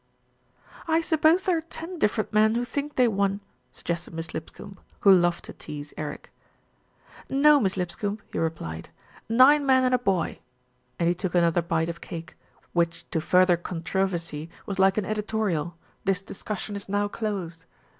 "I suppose there are ten different men who think they won," suggested Miss Lipscombe, who loved to tease Eric. 226 THE RETURN OF ALFRED "No, Miss Lipscombe," he replied, "nine men and a boy," and he took another bite of cake, which to fur ther controversy was like an editorial, "this discussion is now closed."